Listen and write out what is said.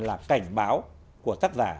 là cảnh báo của tác giả